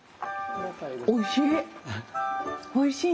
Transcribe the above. おいしい！